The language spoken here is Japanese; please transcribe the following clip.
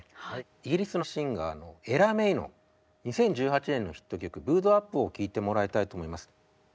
イギリスのシンガーのエラ・メイの２０１８年のヒット曲「Ｂｏｏ’ｄＵｐ」を聴いてもらいたいと思います。